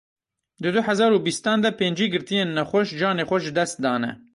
Di du hezar û bîstan de pêncî girtiyên nexweş canê xwe ji dest dane.